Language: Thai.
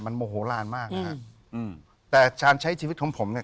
มันโมโหลานมากนะฮะอืมแต่การใช้ชีวิตของผมเนี่ย